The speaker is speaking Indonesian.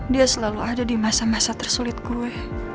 dia selalu ada di masa masa tersulit gue